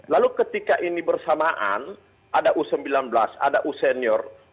lalu ketika ini bersamaan ada u sembilan belas ada u senior